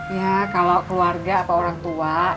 ya kalau keluarga atau orang tua